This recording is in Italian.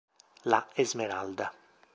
La Esmeralda